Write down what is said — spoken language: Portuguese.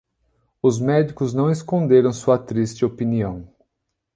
Os médicos não esconderam sua triste opinião.